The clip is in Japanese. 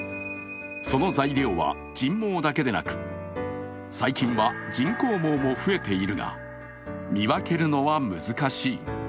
その材料は人毛だけでなく、最近は人工毛も増えているが、見分けるのは難しい。